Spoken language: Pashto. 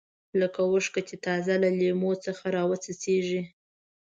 لکه اوښکه چې تازه له لیمو څخه راوڅڅېږي.